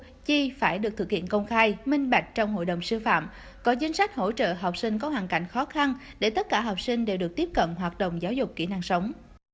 tất cả khoản thu chi phải được thực hiện công khai minh bạch trong hội đồng sư phạm có dân sách hỗ trợ học sinh có hoàn cảnh khó khăn để tất cả học sinh đều được tiếp cận hoạt động giáo dục kỹ năng sống